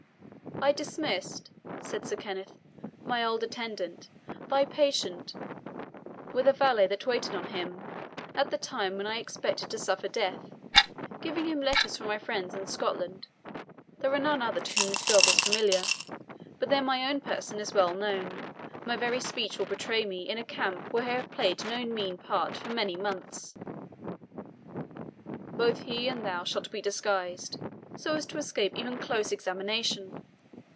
"I dismissed," said Sir Kenneth, "my old attendant, thy patient, with a varlet that waited on him, at the time when I expected to suffer death, giving him letters for my friends in Scotland; there are none other to whom the dog is familiar. But then my own person is well known my very speech will betray me, in a camp where I have played no mean part for many months." "Both he and thou shalt be disguised, so as to escape even close examination.